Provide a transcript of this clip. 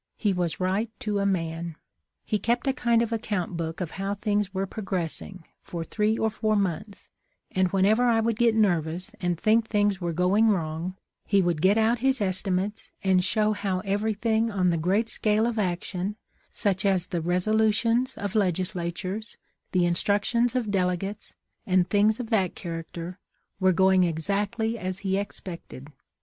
He was right to a man. He kept a kind of account book of how things were progress ing, for three or four months, and whenever I would get nervous and think things were going wrong, he would get out his estimates and show how every thing on the great scale of action, such as the reso lutions of legislatures, the instructions of delegates, and things of that character, were going exactly as he expected.